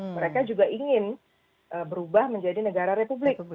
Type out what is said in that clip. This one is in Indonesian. mereka juga ingin berubah menjadi negara republik